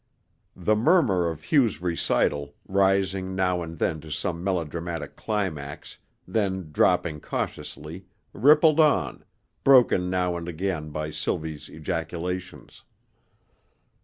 The murmur of Hugh's recital, rising now and then to some melodramatic climax, then dropping cautiously, rippled on, broken now and again by Sylvie's ejaculations.